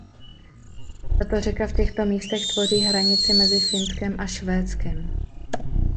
Tato řeka v těchto místech tvoří hranici mezi Finskem a Švédskem.